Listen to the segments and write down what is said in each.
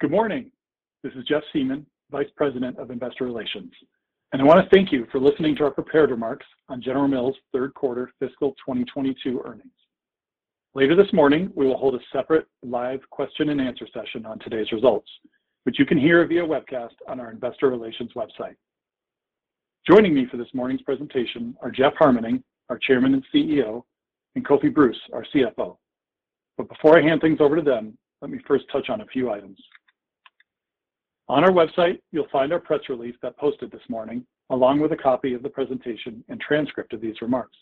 Good morning. This is Jeff Siemon, Vice President, Investor Relations. I want to thank you for listening to our prepared remarks on General Mills' third quarter fiscal 2022 earnings. Later this morning, we will hold a separate live question and answer session on today's results, which you can hear via webcast on our investor relations website. Joining me for this morning's presentation are Jeff Harmening, our Chairman and CEO, and Kofi Bruce, our CFO. Before I hand things over to them, let me first touch on a few items. On our website, you'll find our press release got posted this morning, along with a copy of the presentation and transcript of these remarks.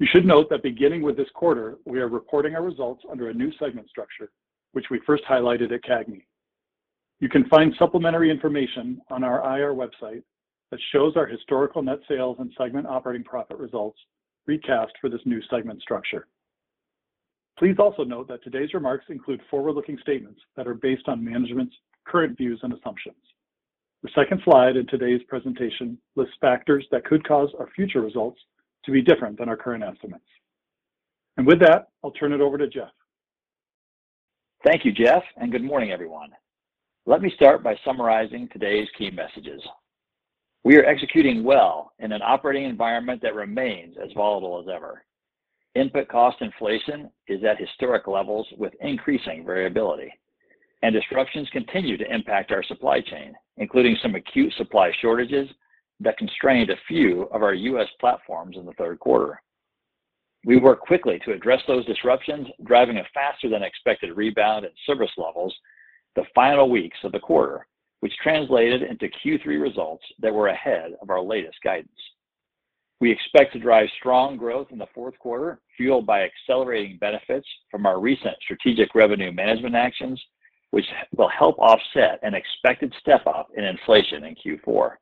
You should note that beginning with this quarter, we are reporting our results under a new segment structure, which we first highlighted at CAGNY. You can find supplementary information on our IR website that shows our historical net sales and segment operating profit results recast for this new segment structure. Please also note that today's remarks include forward-looking statements that are based on management's current views and assumptions. The second slide in today's presentation lists factors that could cause our future results to be different than our current estimates. With that, I'll turn it over to Jeff. Thank you, Jeff, and good morning, everyone. Let me start by summarizing today's key messages. We are executing well in an operating environment that remains as volatile as ever. Input cost inflation is at historic levels with increasing variability, and disruptions continue to impact our supply chain, including some acute supply shortages that constrained a few of our U.S. platforms in the third quarter. We worked quickly to address those disruptions, driving a faster than expected rebound in service levels the final weeks of the quarter, which translated into Q3 results that were ahead of our latest guidance. We expect to drive strong growth in the fourth quarter, fueled by accelerating benefits from our recent strategic revenue management actions, which will help offset an expected step-up in inflation in Q4.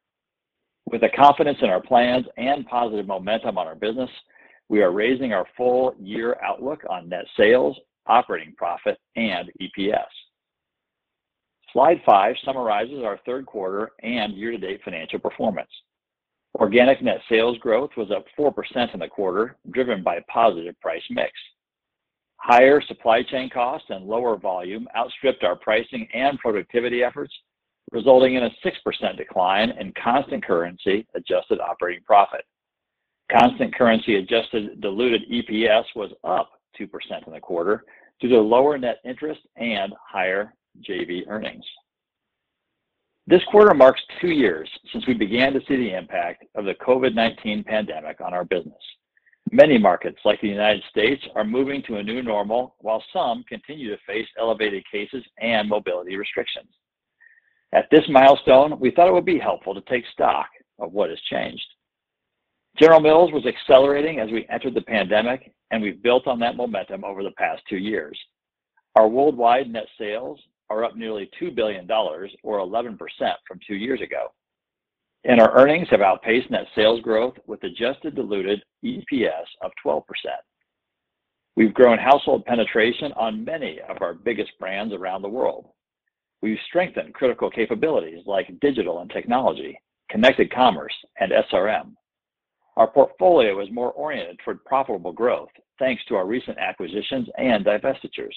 With the confidence in our plans and positive momentum on our business, we are raising our full year outlook on net sales, operating profit, and EPS. Slide five summarizes our third quarter and year-to-date financial performance. Organic net sales growth was up 4% in the quarter, driven by positive price mix. Higher supply chain costs and lower volume outstripped our pricing and productivity efforts, resulting in a 6% decline in constant currency adjusted operating profit. Constant currency adjusted diluted EPS was up 2% in the quarter due to lower net interest and higher JV earnings. This quarter marks two years since we began to see the impact of the COVID-19 pandemic on our business. Many markets, like the United States, are moving to a new normal while some continue to face elevated cases and mobility restrictions. At this milestone, we thought it would be helpful to take stock of what has changed. General Mills was accelerating as we entered the pandemic, and we've built on that momentum over the past two years. Our worldwide net sales are up nearly $2 billion or 11% from two years ago, and our earnings have outpaced net sales growth with adjusted diluted EPS of 12%. We've grown household penetration on many of our biggest brands around the world. We've strengthened critical capabilities like digital and technology, connected commerce, and SRM. Our portfolio is more oriented toward profitable growth, thanks to our recent acquisitions and divestitures.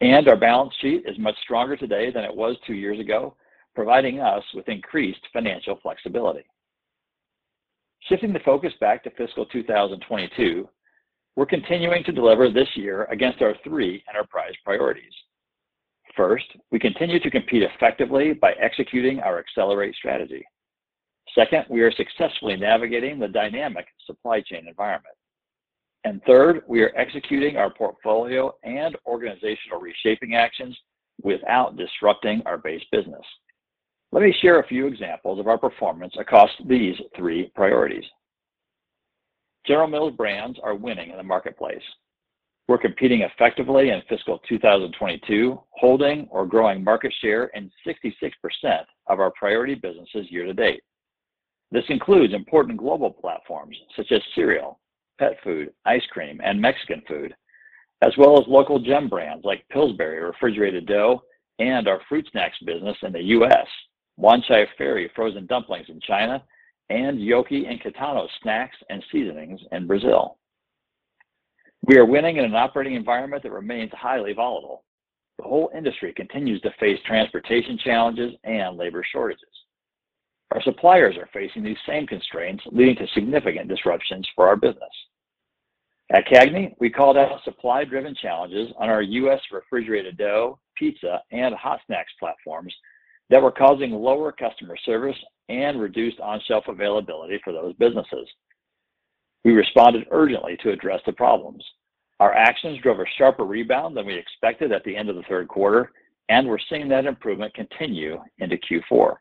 Our balance sheet is much stronger today than it was two years ago, providing us with increased financial flexibility. Shifting the focus back to fiscal 2022, we're continuing to deliver this year against our three enterprise priorities. First, we continue to compete effectively by executing our Accelerate strategy. Second, we are successfully navigating the dynamic supply chain environment. Third, we are executing our portfolio and organizational reshaping actions without disrupting our base business. Let me share a few examples of our performance across these three priorities. General Mills brands are winning in the marketplace. We're competing effectively in fiscal 2022, holding or growing market share in 66% of our priority businesses year-to-date. This includes important global platforms such as cereal, pet food, ice cream, and Mexican food, as well as local gem brands like Pillsbury Refrigerated Dough and our fruit snacks business in the U.S., Wanchai Ferry frozen dumplings in China, and Yoki and Kitano snacks and seasonings in Brazil. We are winning in an operating environment that remains highly volatile. The whole industry continues to face transportation challenges and labor shortages. Our suppliers are facing these same constraints, leading to significant disruptions for our business. At CAGNY, we called out supply-driven challenges on our U.S. refrigerated dough, pizza, and hot snacks platforms that were causing lower customer service and reduced on-shelf availability for those businesses. We responded urgently to address the problems. Our actions drove a sharper rebound than we expected at the end of the third quarter, and we're seeing that improvement continue into Q4.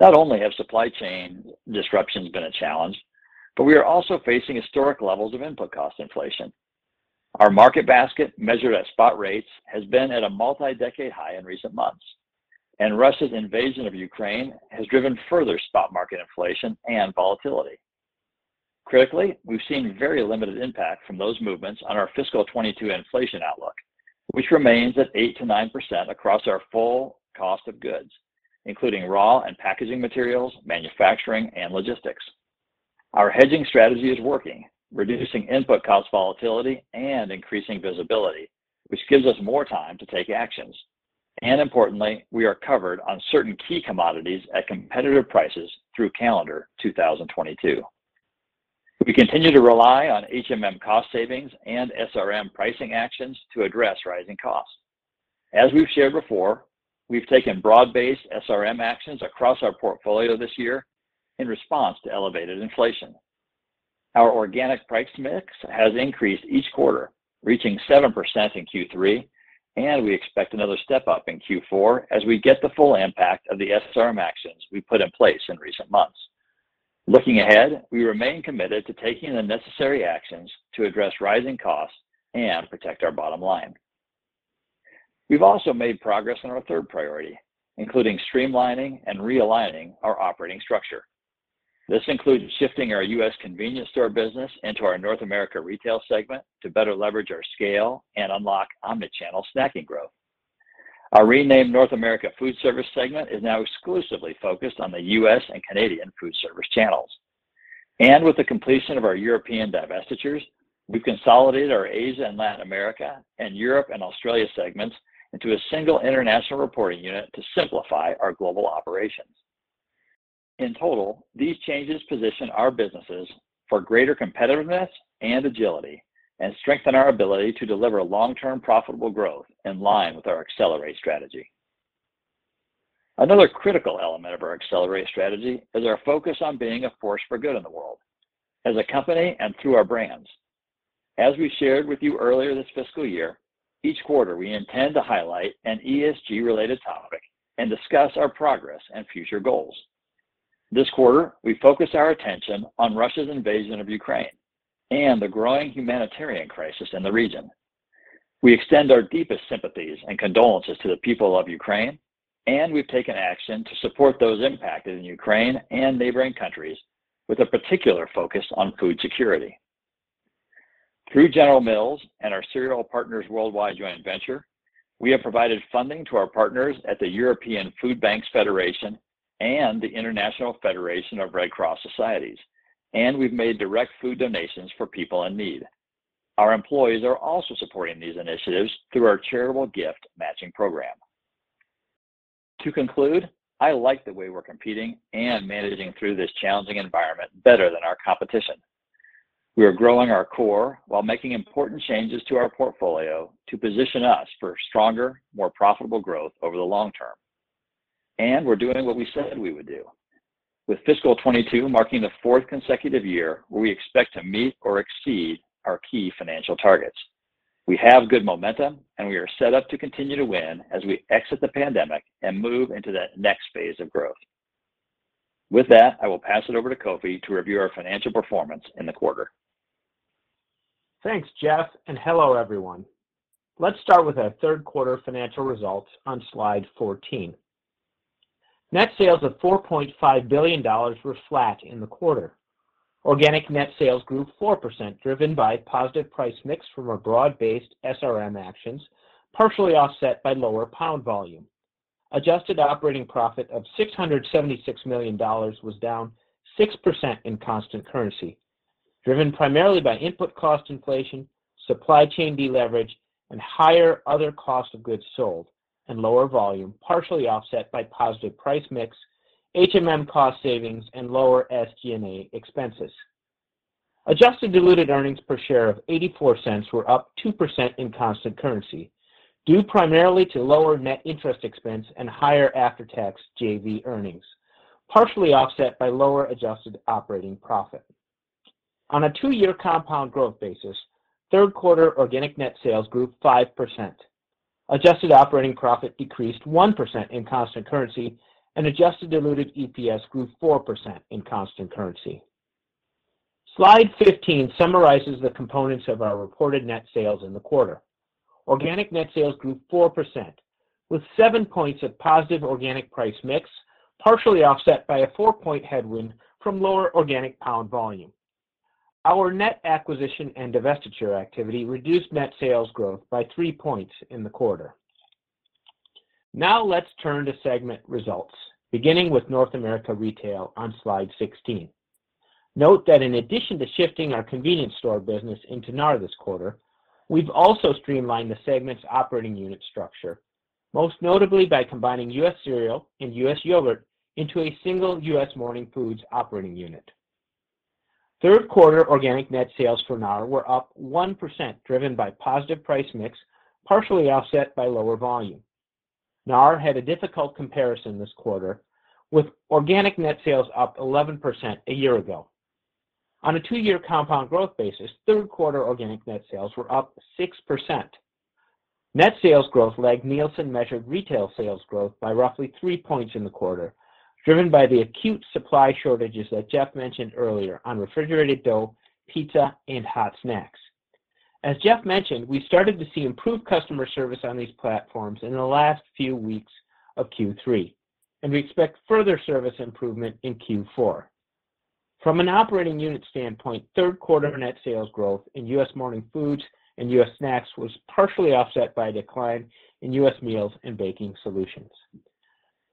Not only have supply chain disruptions been a challenge, but we are also facing historic levels of input cost inflation. Our market basket measured at spot rates has been at a multi-decade high in recent months, and Russia's invasion of Ukraine has driven further spot market inflation and volatility. Critically, we've seen very limited impact from those movements on our fiscal 2022 inflation outlook, which remains at 8%-9% across our full cost of goods, including raw and packaging materials, manufacturing, and logistics. Our hedging strategy is working, reducing input cost volatility and increasing visibility, which gives us more time to take actions. Importantly, we are covered on certain key commodities at competitive prices through calendar 2022. We continue to rely on HMM cost savings and SRM pricing actions to address rising costs. As we've shared before, we've taken broad-based SRM actions across our portfolio this year in response to elevated inflation. Our organic price mix has increased each quarter, reaching 7% in Q3, and we expect another step-up in Q4 as we get the full impact of the SRM actions we put in place in recent months. Looking ahead, we remain committed to taking the necessary actions to address rising costs and protect our bottom line. We've also made progress on our third priority, including streamlining and realigning our operating structure. This includes shifting our U.S. convenience store business into our North America Retail segment to better leverage our scale and unlock omni-channel snacking growth. Our renamed North America Foodservice segment is now exclusively focused on the U.S. and Canadian food service channels. With the completion of our European divestitures, we've consolidated our Asia and Latin America and Europe and Australia segments into a single international reporting unit to simplify our global operations. In total, these changes position our businesses for greater competitiveness and agility and strengthen our ability to deliver long-term profitable growth in line with our Accelerate strategy. Another critical element of our accelerate strategy is our focus on being a force for good in the world as a company and through our brands. As we shared with you earlier this fiscal year, each quarter we intend to highlight an ESG-related topic and discuss our progress and future goals. This quarter, we focus our attention on Russia's invasion of Ukraine and the growing humanitarian crisis in the region. We extend our deepest sympathies and condolences to the people of Ukraine, and we've taken action to support those impacted in Ukraine and neighboring countries with a particular focus on food security. Through General Mills and our Cereal Partners Worldwide joint venture, we have provided funding to our partners at the European Food Banks Federation and the International Federation of Red Cross and Red Crescent Societies, and we've made direct food donations for people in need. Our employees are also supporting these initiatives through our charitable gift matching program. To conclude, I like the way we're competing and managing through this challenging environment better than our competition. We are growing our core while making important changes to our portfolio to position us for stronger, more profitable growth over the long term. We're doing what we said we would do, with fiscal 2022 marking the fourth consecutive year where we expect to meet or exceed our key financial targets. We have good momentum, and we are set up to continue to win as we exit the pandemic and move into the next phase of growth. With that, I will pass it over to Kofi to review our financial performance in the quarter. Thanks, Jeff, and hello, everyone. Let's start with our third quarter financial results on slide 14. Net sales of $4.5 billion were flat in the quarter. Organic net sales grew 4%, driven by positive price mix from our broad-based SRM actions, partially offset by lower pound volume. Adjusted operating profit of $676 million was down 6% in constant currency, driven primarily by input cost inflation, supply chain deleverage, and higher other cost of goods sold and lower volume, partially offset by positive price mix, HMM cost savings, and lower SG&A expenses. Adjusted diluted earnings per share of $0.84 were up 2% in constant currency due primarily to lower net interest expense and higher after-tax JV earnings, partially offset by lower adjusted operating profit. On a two-year compound growth basis, third quarter organic net sales grew 5%. Adjusted operating profit decreased 1% in constant currency, and adjusted diluted EPS grew 4% in constant currency. Slide 15 summarizes the components of our reported net sales in the quarter. Organic net sales grew 4%, with seven points of positive organic price mix, partially offset by a four-point headwind from lower organic pound volume. Our net acquisition and divestiture activity reduced net sales growth by three points in the quarter. Now let's turn to segment results, beginning with North America Retail on Slide 16. Note that in addition to shifting our convenience store business into NAR this quarter, we've also streamlined the segment's operating unit structure, most notably by combining U.S. cereal and U.S. yogurt into a single U.S. Morning Foods operating unit. Third quarter organic net sales for NAR were up 1%, driven by positive price mix, partially offset by lower volume. NAR had a difficult comparison this quarter, with organic net sales up 11% a year ago. On a two-year compound growth basis, third quarter organic net sales were up 6%. Net sales growth lagged Nielsen-measured retail sales growth by roughly three points in the quarter, driven by the acute supply shortages that Jeff mentioned earlier on refrigerated dough, pizza, and hot snacks. As Jeff mentioned, we started to see improved customer service on these platforms in the last few weeks of Q3, and we expect further service improvement in Q4. From an operating unit standpoint, third quarter net sales growth in U.S. morning foods and U.S. snacks was partially offset by a decline in U.S. Meals & Baking Solutions.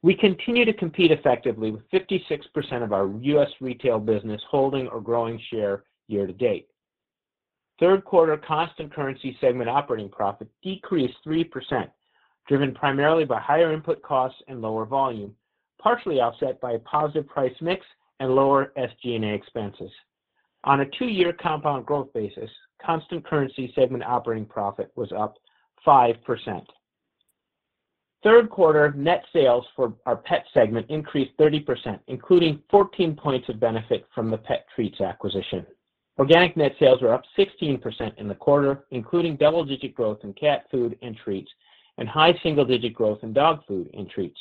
We continue to compete effectively with 56% of our U.S. retail business holding or growing share year to date. Third quarter constant currency segment operating profit decreased 3% driven primarily by higher input costs and lower volume, partially offset by a positive price mix and lower SG&A expenses. On a two-year compound growth basis, constant currency segment operating profit was up 5%. Third quarter net sales for our pet segment increased 30%, including 14 points of benefit from the pet treats acquisition. Organic net sales were up 16% in the quarter, including double-digit growth in cat food and treats and high single-digit growth in dog food and treats.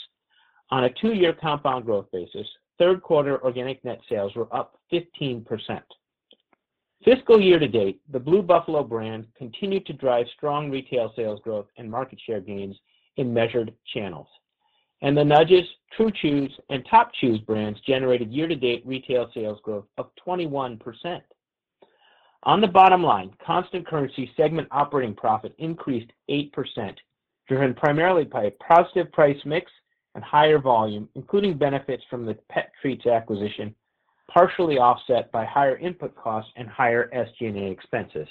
On a two-year compound growth basis, third quarter organic net sales were up 15%. Fiscal year to date, the Blue Buffalo brand continued to drive strong retail sales growth and market share gains in measured channels. The Nudges, True Chews, and Top Chews brands generated year-to-date retail sales growth of 21%. On the bottom line, constant currency segment operating profit increased 8% driven primarily by a positive price mix and higher volume, including benefits from the pet treats acquisition, partially offset by higher input costs and higher SG&A expenses.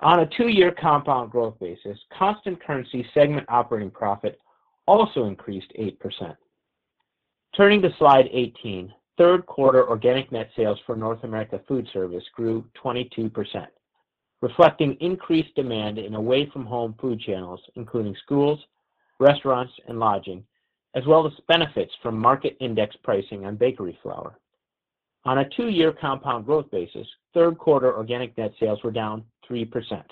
On a two-year compound growth basis, constant currency segment operating profit also increased 8%. Turning to slide 18, third quarter organic net sales for North America Foodservice grew 22%, reflecting increased demand in away from home food channels, including schools, restaurants, and lodging, as well as benefits from market index pricing on bakery flour. On a two-year compound growth basis, third quarter organic net sales were down 3%.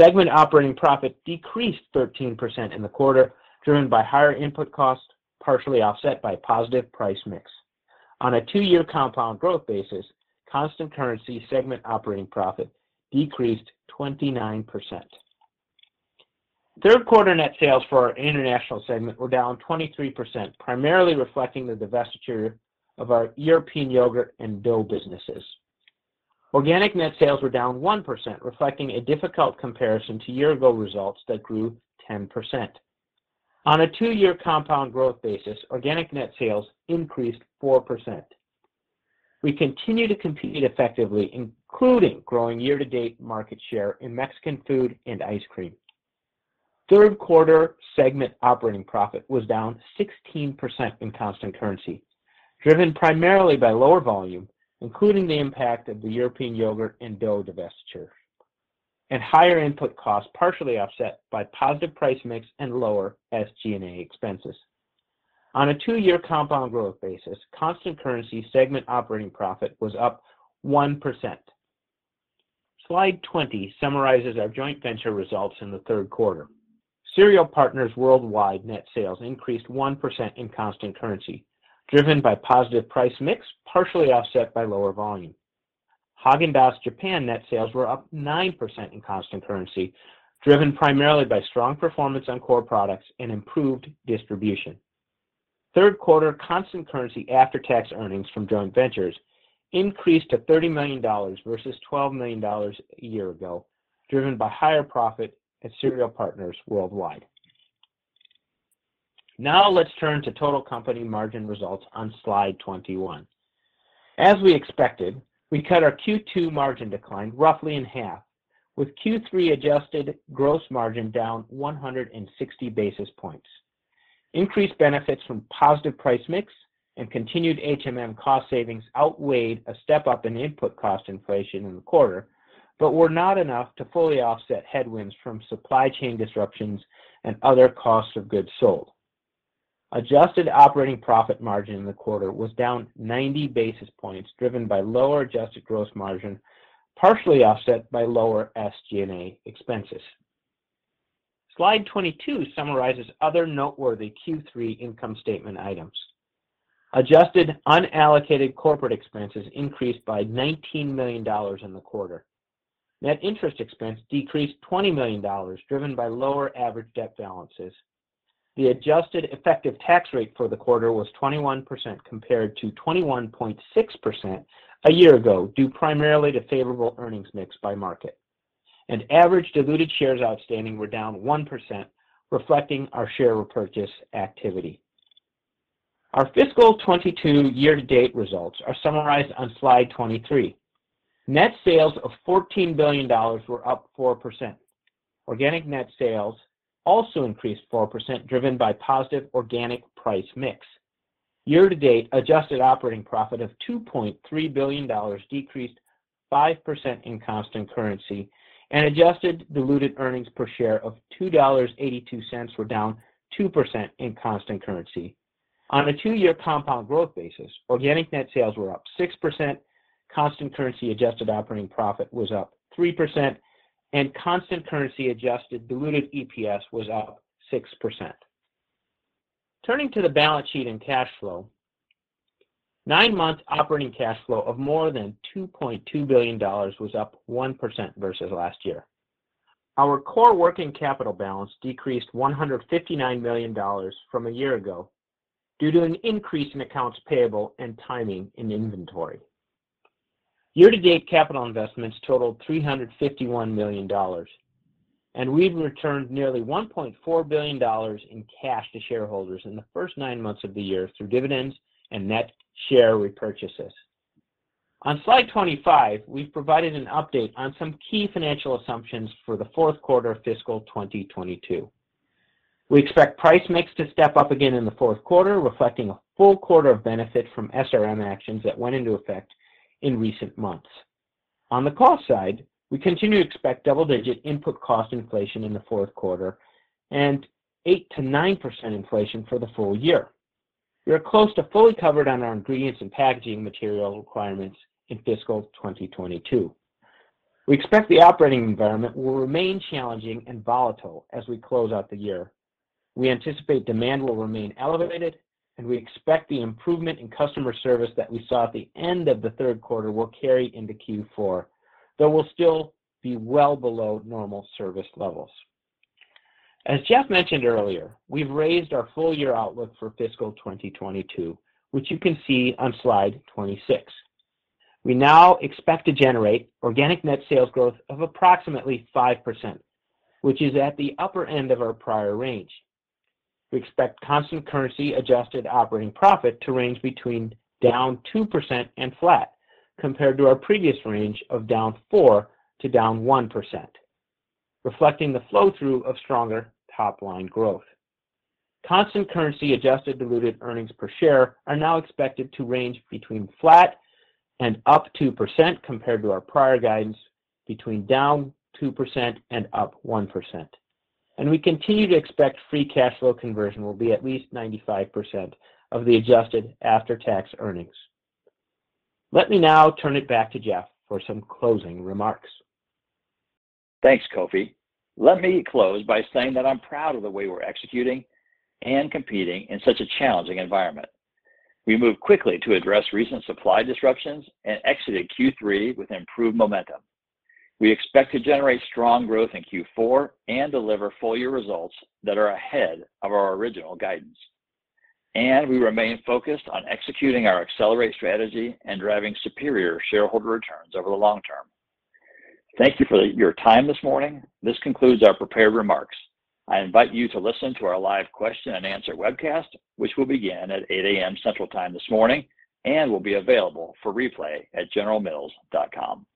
Segment operating profit decreased 13% in the quarter, driven by higher input costs, partially offset by positive price mix. On a two-year compound growth basis, constant currency segment operating profit decreased 29%. Third quarter net sales for our international segment were down 23%, primarily reflecting the divestiture of our European yogurt and dough businesses. Organic net sales were down 1%, reflecting a difficult comparison to year-ago results that grew 10%. On a two-year compound growth basis, organic net sales increased 4%. We continue to compete effectively, including growing year-to-date market share in Mexican food and ice cream. Third quarter segment operating profit was down 16% in constant currency, driven primarily by lower volume, including the impact of the European yogurt and dough divestiture, and higher input costs, partially offset by positive price mix and lower SG&A expenses. On a two-year compound growth basis, constant currency segment operating profit was up 1%. Slide 20 summarizes our joint venture results in the third quarter. Cereal Partners Worldwide net sales increased 1% in constant currency, driven by positive price mix, partially offset by lower volume. Häagen-Dazs Japan net sales were up 9% in constant currency, driven primarily by strong performance on core products and improved distribution. Third quarter constant currency after-tax earnings from joint ventures increased to $30 million versus $12 million a year ago, driven by higher profit at Cereal Partners Worldwide. Now let's turn to total company margin results on slide 21. As we expected, we cut our Q2 margin decline roughly in half, with Q3 adjusted gross margin down 160 basis points. Increased benefits from positive price mix and continued HMM cost savings outweighed a step-up in input cost inflation in the quarter but were not enough to fully offset headwinds from supply chain disruptions and other costs of goods sold. Adjusted operating profit margin in the quarter was down 90 basis points, driven by lower adjusted gross margin, partially offset by lower SG&A expenses. Slide 22 summarizes other noteworthy Q3 income statement items. Adjusted unallocated corporate expenses increased by $19 million in the quarter. Net interest expense decreased $20 million, driven by lower average debt balances. The adjusted effective tax rate for the quarter was 21% compared to 21.6% a year ago, due primarily to favorable earnings mix by market. Average diluted shares outstanding were down 1%, reflecting our share repurchase activity. Our fiscal 2022 year-to-date results are summarized on slide 23. Net sales of $14 billion were up 4%. Organic net sales also increased 4%, driven by positive organic price mix. Year-to-date adjusted operating profit of $2.3 billion decreased 5% in constant currency, and adjusted diluted earnings per share of $2.82 were down 2% in constant currency. On a two-year compound growth basis, organic net sales were up 6%, constant currency adjusted operating profit was up 3%, and constant currency adjusted diluted EPS was up 6%. Turning to the balance sheet and cash flow, nine-month operating cash flow of more than $2.2 billion was up 1% versus last year. Our core working capital balance decreased $159 million from a year ago due to an increase in accounts payable and timing in inventory. Year-to-date capital investments totaled $351 million, and we've returned nearly $1.4 billion in cash to shareholders in the first nine months of the year through dividends and net share repurchases. On slide 25, we've provided an update on some key financial assumptions for the fourth quarter of fiscal 2022. We expect price mix to step up again in the fourth quarter, reflecting a full quarter of benefit from SRM actions that went into effect in recent months. On the cost side, we continue to expect double-digit input cost inflation in the fourth quarter and 8%-9% inflation for the full year. We are close to fully covered on our ingredients and packaging material requirements in fiscal 2022. We expect the operating environment will remain challenging and volatile as we close out the year. We anticipate demand will remain elevated, and we expect the improvement in customer service that we saw at the end of the third quarter will carry into Q4, though we'll still be well below normal service levels. As Jeff mentioned earlier, we've raised our full-year outlook for fiscal 2022, which you can see on slide 26. We now expect to generate organic net sales growth of approximately 5%, which is at the upper end of our prior range. We expect constant currency adjusted operating profit to range between down 2% and flat compared to our previous range of down 4% to down 1%, reflecting the flow-through of stronger top-line growth. Constant currency adjusted diluted earnings per share are now expected to range between flat and up 2% compared to our prior guidance between down 2% and up 1%. We continue to expect free cash flow conversion will be at least 95% of the adjusted after-tax earnings. Let me now turn it back to Jeff for some closing remarks. Thanks, Kofi. Let me close by saying that I'm proud of the way we're executing and competing in such a challenging environment. We moved quickly to address recent supply disruptions and exited Q3 with improved momentum. We expect to generate strong growth in Q4 and deliver full-year results that are ahead of our original guidance. We remain focused on executing our accelerate strategy and driving superior shareholder returns over the long term. Thank you for your time this morning. This concludes our prepared remarks. I invite you to listen to our live question and answer webcast, which will begin at 8:00 A.M. Central Time this morning and will be available for replay at generalmills.com.